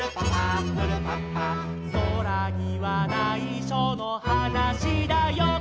「そらにはないしょのはなしだよ」